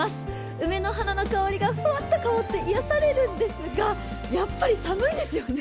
梅の花の香りがふわっと香って癒やされるんですが、やっぱり寒いですよね。